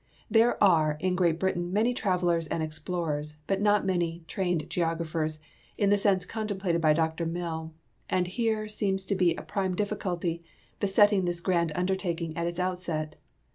There are in Great Britain man}^ travelers and explorers, but not many " trained geographers " in the sense contemplated by Dr Mill, and here seems to be a prime difficulty besetting this grand undertaking at its outset.